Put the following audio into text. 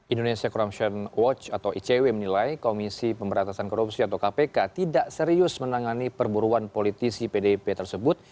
indonesia corruption watch atau icw menilai komisi pemberantasan korupsi atau kpk tidak serius menangani perburuan politisi pdp tersebut